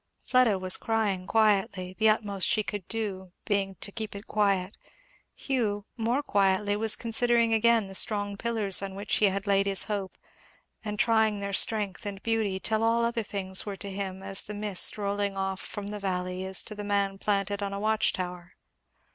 Fleda was crying quietly, the utmost she could do being to keep it quiet; Hugh, more quietly, was considering again the strong pillars on which he had laid his hope, and trying their strength and beauty; till all other things were to him as the mist rolling off from the valley is to the man planted on a watch tower.